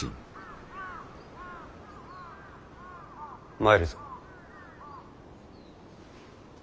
参るぞ。